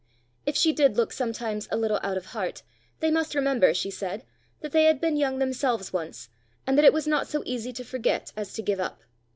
If she did look sometimes a little out of heart, they must remember, she said, that they had been young themselves once, and that it was not so easy to forget as to give up.